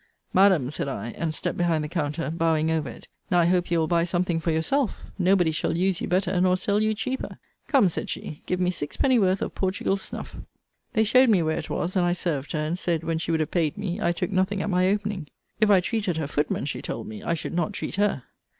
Madam, said I, and stepped behind the compter, bowing over it, now I hope you will buy something for yourself. Nobody shall use you better, nor sell you cheaper. Come, said she, give me six penny worth of Portugal snuff. They showed me where it was, and I served her; and said, when she would have paid me, I took nothing at my opening. If I treated her footman, she told me, I should not treat her.